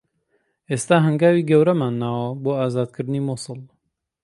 ئێستا هەنگاوی گەورەمان ناوە بۆ ئازادکردنی موسڵ